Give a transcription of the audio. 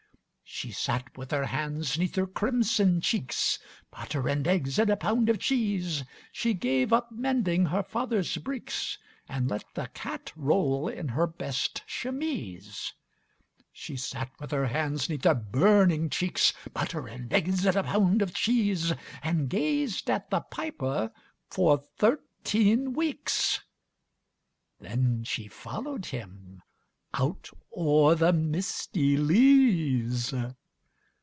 She sat with her hands ŌĆÖneath her crimson cheeks; (Butter and eggs and a pound of cheese) She gave up mending her fatherŌĆÖs breeks, And let the cat roll in her best chemise. She sat with her hands ŌĆÖneath her burning cheeks, (Butter and eggs and a pound of cheese) And gazŌĆÖd at the piper for thirteen weeks; Then she followŌĆÖd him out oŌĆÖer the misty leas.